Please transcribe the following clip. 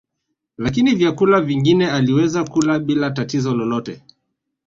Lakini vyakula vingine aliweza kula bila tatizo lolote